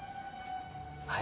はい。